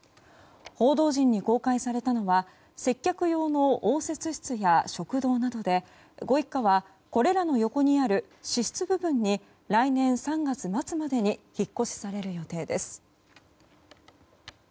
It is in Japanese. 報道陣に公開されたのは接客用の応接室や食堂などで、ご一家はこれらの横にある私室部分に来年３月末までに引っ越しされる予定です。